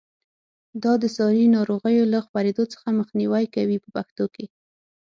دا د ساري ناروغیو له خپرېدو څخه مخنیوی کوي په پښتو کې.